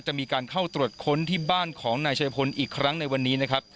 จะมีการเข้าตรวจค้นที่บ้านของนายชายพลอีกครั้งในวันนี้นะครับ